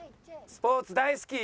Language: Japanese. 「スポーツ大好き！